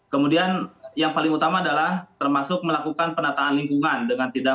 kemudian yang paling utama adalah termasuk melakukan penataan lingkungan dengan tidak